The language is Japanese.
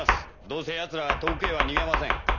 どうせヤツらは遠くへは逃げません。